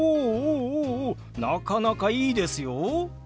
おおおなかなかいいですよ。